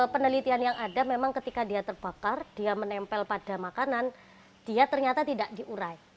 penelitian yang ada memang ketika dia terbakar dia menempel pada makanan dia ternyata tidak diurai